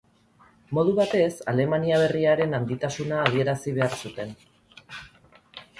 Modu batez, Alemania Berriaren handitasuna adierazi behar zuten.